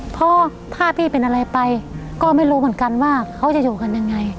เพราะถ้าพี่เป็นอะไรไปก็ไม่รู้เหมือนกันว่าเขาจะอยู่กันยังไง